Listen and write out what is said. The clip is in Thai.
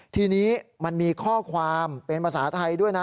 ทีนี้มันมีข้อความเป็นภาษาไทยด้วยนะ